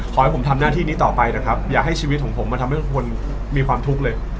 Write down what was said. ขอให้ผมทำหน้าที่นี้ต่อไปนะครับอย่าให้ชีวิตของผมมันทำให้ทุกคนมีความทุกข์เลย